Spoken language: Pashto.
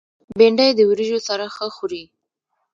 بېنډۍ د وریژو سره ښه خوري